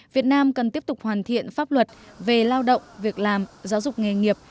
việt nam cần tiếp tục hoàn thiện pháp luật về lao động việc làm giáo dục nghề nghiệp